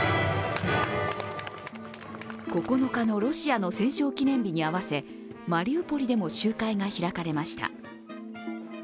９日のロシアの戦勝記念日に合わせ、マリウポリでも集会が開かれました。